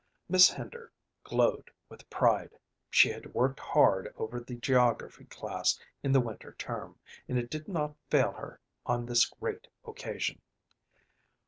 Miss Hender glowed with pride; she had worked hard over the geography class in the winter term, and it did not fail her on this great occasion.